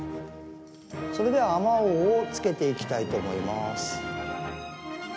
それでは、あまおうをつけていきたいと思います。